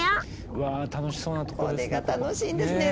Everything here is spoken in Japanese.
うわあ楽しそうなとこですね。